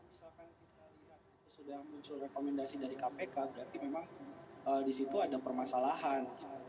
misalkan kita lihat itu sudah muncul rekomendasi dari kpk berarti memang di situ ada permasalahan